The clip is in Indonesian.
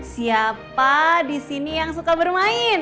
siapa disini yang suka bermain